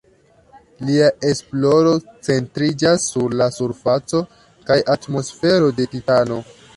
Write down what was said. Lia esploro centriĝas sur la surfaco kaj atmosfero de Titano.